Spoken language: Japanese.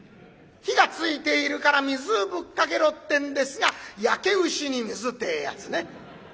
火がついているから水ぶっかけろってんですが「焼け牛に水」てえやつね。